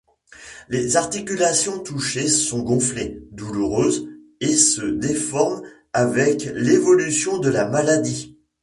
Les articulations touchées sont gonflées, douloureuses, et se déforment avec l'évolution de la maladie.